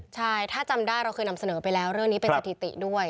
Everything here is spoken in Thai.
ใช่ถ้าจำได้เราเคยนำเสนอไปแล้วเรื่องนี้เป็นสถิติด้วย